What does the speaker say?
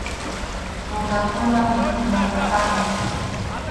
Mulakunap mikhunanpaqtaqmi.